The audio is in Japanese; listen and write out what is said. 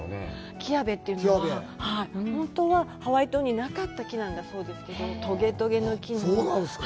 キアヴェというのは、本当はハワイ島になかった木なんだそうですけど、とげとげの木なんです。